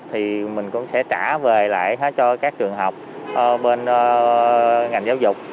thì mình cũng sẽ trả về lại hết cho các trường học bên ngành giáo dục